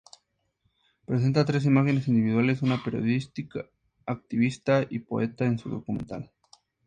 Al-Salami presenta tres imágenes individuales, una periodista, activista y poeta en su documental.